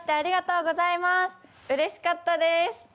うれしかったです。